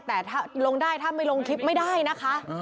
แต่ถ้าลงได้ถ้าไม่ลงคลิปไม่ได้นะคะ